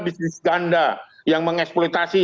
bisnis ganda yang mengeksploitasi